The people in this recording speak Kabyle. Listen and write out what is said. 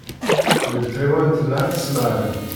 Deg tɣiwant n At Smaɛel.